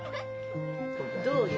どうよ？